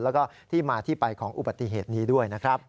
แล้วก็ที่มาที่ไปของอุบัติเหตุนี้ด้วยนะครับ